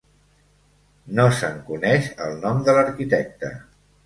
No se'n coneix el nom de l'arquitecte.